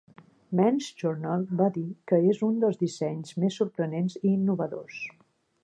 'Men's Journal' va dir que és "un dels dissenys més sorprenents i innovadors".